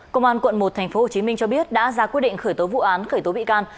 công an quận một tp hcm cho biết đã ra quyết định khởi tố vụ án khởi tố bị can